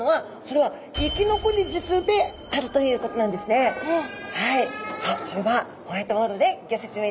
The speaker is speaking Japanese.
はい。